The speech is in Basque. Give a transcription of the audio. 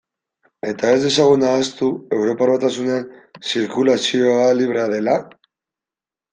Eta ez dezagun ahaztu Europar Batasunean zirkulazioa librea dela?